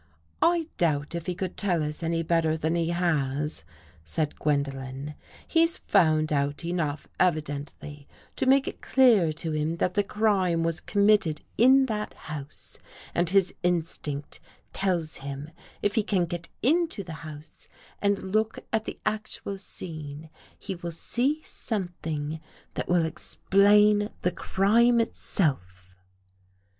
" I doubt if he could tell us any better than he has," said Gwendolen. " He's found out enough, evidently, to make it clear to him that the crime was committed in that house and his instinct tells him, if he can get into the house and look at the actual scene, he will see something that will explain the crime itself!"